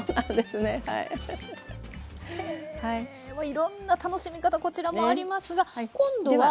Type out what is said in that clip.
いろんな楽しみ方こちらもありますが今度は。